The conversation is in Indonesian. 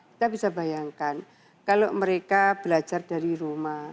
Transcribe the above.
kita bisa bayangkan kalau mereka belajar dari rumah